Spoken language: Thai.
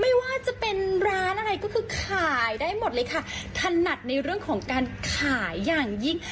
ไม่ว่าจะเป็นร้านอะไรก็คือขายได้หมดเลยค่ะถนัดในเรื่องของการขายอย่างยิ่ง